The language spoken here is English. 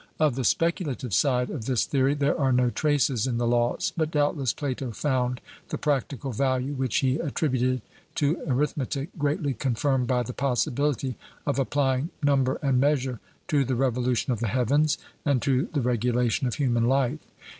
Of the speculative side of this theory there are no traces in the Laws, but doubtless Plato found the practical value which he attributed to arithmetic greatly confirmed by the possibility of applying number and measure to the revolution of the heavens, and to the regulation of human life.